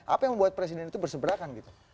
apa yang membuat presiden itu berseberangan gitu